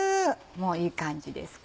もういい感じですか？